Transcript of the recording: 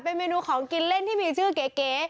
เป็นเมนูของกินเล่นที่มีชื่อเก๋